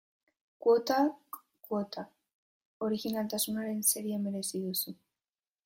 Kuotak kuota, orijinaltasunaren saria merezi duzu.